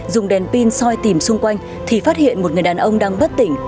dùng đèn pin soi tìm xung quanh thì phát hiện một người đàn ông đang bất tỉnh